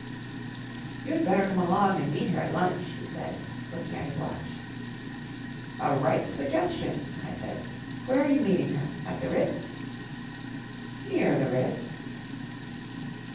" You'd better come along and meet her at lunch," he said, looking at his watch. " A ripe suggestion," I said. 4 Where are you meeting her ? At the Ritz ?"" Near the Ritz."